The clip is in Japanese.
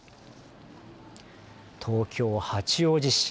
東京、八王子市。